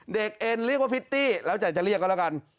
เด็กเอ็นเรียกว่าพิตตี้แล้วจะเรียกเขาละกัน